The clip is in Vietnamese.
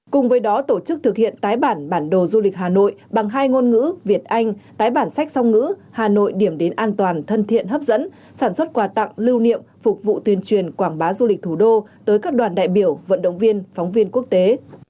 cùng với đó tổ chức thực hiện tái bản bản đồ du lịch hà nội bằng hai ngôn ngữ việt anh tái bản sách song ngữ hà nội điểm đến an toàn thân thiện hấp dẫn sản xuất quà tặng lưu niệm phục vụ tuyên truyền quảng bá du lịch thủ đô tới các đoàn đại biểu vận động viên phóng viên quốc tế